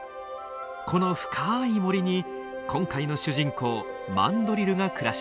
この深い森に今回の主人公マンドリルが暮らしています。